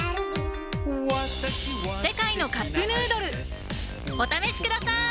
「世界のカップヌードル」お試しください！